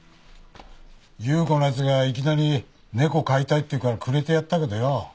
由子の奴がいきなり猫飼いたいって言うからくれてやったけどよ。